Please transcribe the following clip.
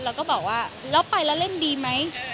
แล้วก็บอกว่าไปแล้วเล่นดีไหม